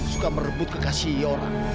suka merebut kekasih orang